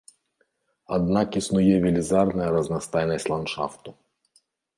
Аднак існуе велізарная разнастайнасць ландшафту.